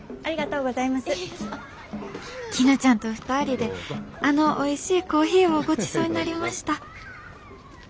「きぬちゃんと２人であのおいしいコーヒーをごちそうになりました」。